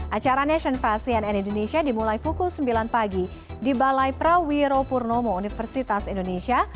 acara nation fast cnn indonesia dimulai pukul sembilan pagi di balai prawiro purnomo universitas indonesia